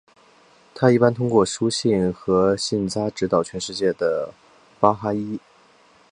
它一般通过书信和信札指导全世界的巴哈伊。